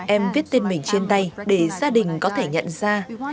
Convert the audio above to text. em viết tên mình trên tay để gia đình có thể nhận ra khi em chết